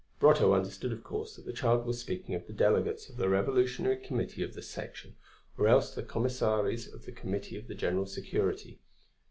Brotteaux understood, of course, that the child was speaking of the delegates of the Revolutionary Committee of the Section or else the Commissaries of the Committee of General Security.